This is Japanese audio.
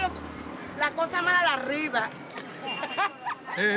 ええ？